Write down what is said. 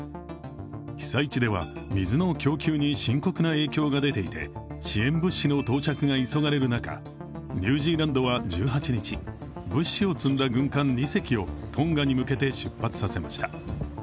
被災地では水の供給に深刻な影響が出ていて、支援物資の到着が急がれる中ニュージーランドは１８日物資を積んだ軍艦２隻をトンガに向けて出発させました。